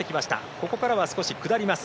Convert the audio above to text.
ここからは少し下ります。